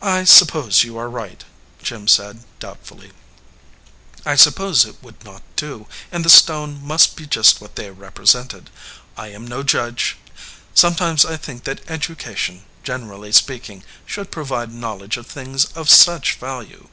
"I suppose you are right," Jim said, doubtfully. "I suppose it would not do, and the stone must be just what they represented. I am no judge. Some times I think that education, generally speaking, should provide knowledge of things of such value."